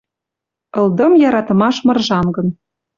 Ылдым яратымаш мыржангын...